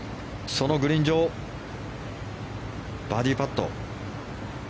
そのグリーン上バーディーパット。